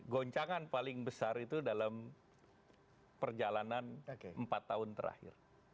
goncangan paling besar itu dalam perjalanan empat tahun terakhir